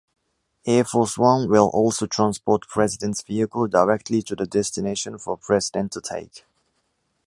Air Force One will also transport president’s vehicle directly to the destination for president to take.